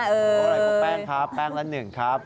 ปรึกแป้งครับแป้งละ๑ครับ